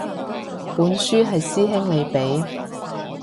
本書係師兄你畀